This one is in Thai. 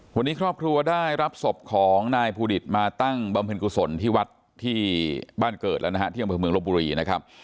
วันนี้ครอบครัวได้รับศพของนายภูดิตมาตั้งบำเพ็ญกุศลที่วัดที่บ้านเกิดแล้วนะฮะที่อำเภอเมืองลบบุรีนะครับ